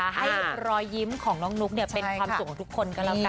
ให้รอยยิ้มของน้องนุ๊กเป็นความสุขของทุกคนก็แล้วกัน